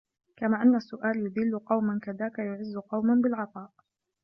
كما أن السؤال يُذِلُّ قوما كذاك يعز قوم بالعطاء